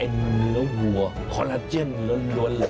เนื้อหัวคอลลาเจนล้น